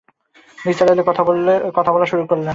নিসার আলি কথা বলা শুরু করলেন।